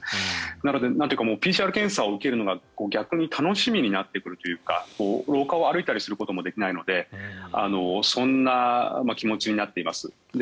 なのでＰＣＲ検査を受けるのが逆に楽しみになってくるというか廊下を歩いたりすることもできないのでそんな気持ちになっています。